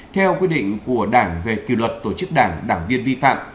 theo quy định của đảng về kỷ luật tổ chức đảng đảng viên vi phạm